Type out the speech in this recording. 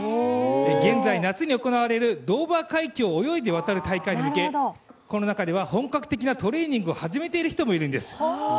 現在、夏に行われるドーバー海峡を泳いで渡る大会に向けこの中では本格的なトレーニングを始めている人もいるんです。